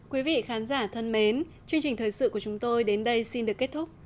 quý vị khán giả thân mến chương trình thời sự của chúng tôi đến đây xin được kết thúc